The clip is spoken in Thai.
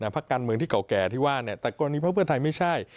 พักการเมืองที่เก่าแก่ที่ว่าแต่กรณีพักเพื่อไทยไม่ใช่